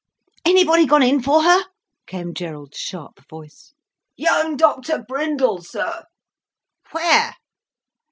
"Anybody gone in for her?" came Gerald's sharp voice. "Young Doctor Brindell, sir." "Where?"